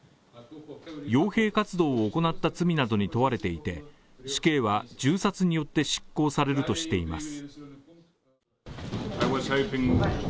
よう兵活動を行った罪などに問われていて死刑は銃殺によって執行されるとしています。